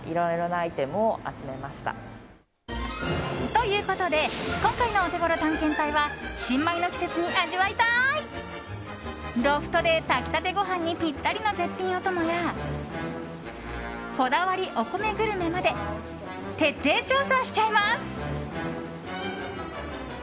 ということで今回のオテゴロ探検隊は新米の季節に味わいたいロフトで炊き立てご飯にぴったりの絶品お供やこだわりお米グルメまで徹底調査しちゃいます。